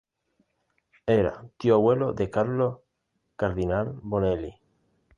Era tío-abuelo de Carlo Cardinal Bonelli.